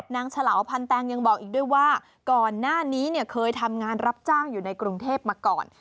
เฉลาวพันแตงยังบอกอีกด้วยว่าก่อนหน้านี้เนี่ยเคยทำงานรับจ้างอยู่ในกรุงเทพมาก่อน